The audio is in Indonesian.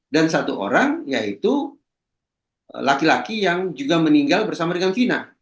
dan satu orang yaitu laki laki yang juga meninggal bersama dengan fina